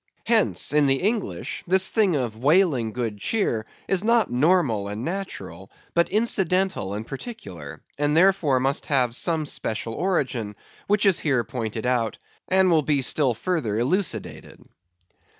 Hence, in the English, this thing of whaling good cheer is not normal and natural, but incidental and particular; and, therefore, must have some special origin, which is here pointed out, and will be still further elucidated.